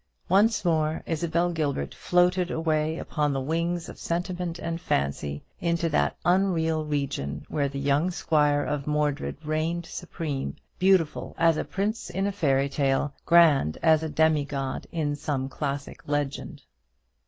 Once more Isabel Gilbert floated away upon the wings of sentiment and fancy, into that unreal region where the young squire of Mordred reigned supreme, beautiful as a prince in a fairy tale, grand as a demigod in some classic legend.